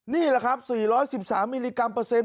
นี่แหละครับ๔๑๓มิลลิกรัมเปอร์เซ็นต